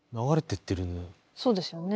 そうですよね。